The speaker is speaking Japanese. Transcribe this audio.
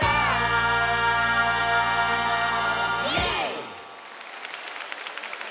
イエーイ！